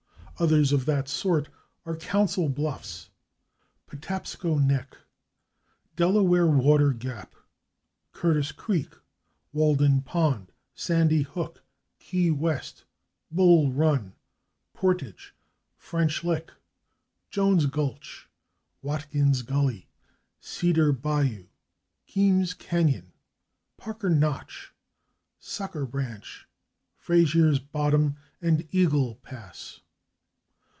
Others of that sort are /Council Bluffs/, /Patapsco Neck/, /Delaware Water Gap/, /Curtis Creek/, /Walden Pond/, /Sandy Hook/, /Key West/, /Bull Run/, /Portage/, /French Lick/, /Jones Gulch/, /Watkins Gully/, /Cedar Bayou/, /Keams Canyon/, /Parker Notch/, /Sucker Branch/, /Fraziers Bottom/ and /Eagle Pass